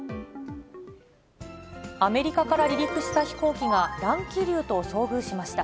アメリカから離陸した飛行機が、乱気流と遭遇しました。